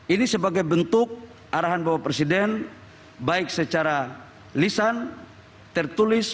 ini sebagai bentuk arahan bapak presiden baik secara lisan tertulis